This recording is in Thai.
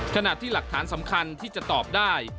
ขณะที่หลักฐานสำคัญที่จะตอบได้